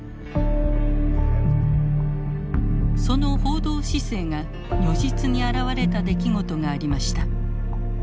その報道姿勢が如実に表れた出来事がありました。